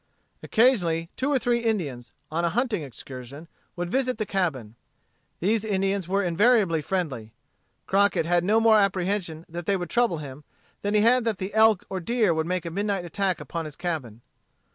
Occasionally two or three Indians, on a hunting excursion, would visit the cabin. These Indians were invariably friendly. Crockett had no more apprehension that they would trouble him than he had that the elk or the deer would make a midnight attack upon his cabin.